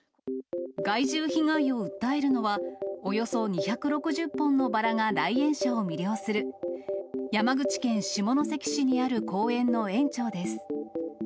害獣被害を訴えるのは、およそ２６０本のバラが来園者を魅了する、山口県下関市にある公園の園長です。